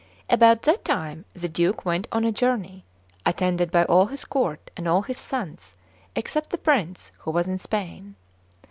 CXIII ABOUT that time the Duke went on a journey, attended by all his court and all his sons, except the prince, who was in Spain.